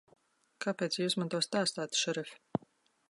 Kāpēc Jūs man to stāstāt, šerif?